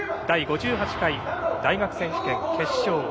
第５８回大学選手権決勝。